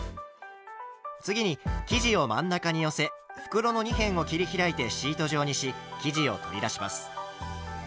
次に生地を真ん中に寄せ袋の二辺を切り開いてシート状にし生地を取り出します。